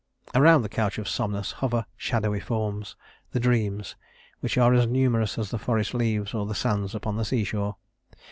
Around the couch of Somnus hover shadowy forms, the Dreams, which are as numerous as the forest leaves or the sands upon the seashore.